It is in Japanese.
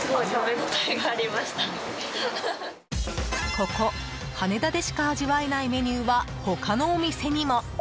ここ羽田でしか味わえないメニューは他のお店にも。